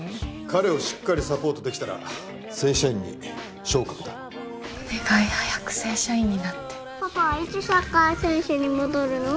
彼をしっかりサポートできたら正社員に昇格だお願い早く正社員になってパパはいつサッカー選手に戻るの？